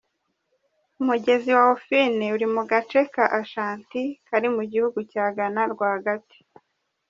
Umugezi wa Ofin uri mu gace ka Ashanti kari mu gihugu cya Ghana rwagati.